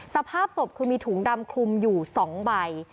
สภาพศพคือมีถุงดำคลุมอยู่๒ใบ